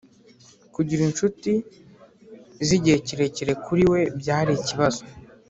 kugira inshuti z’igihe kirekire kuri we, byari ikibazo “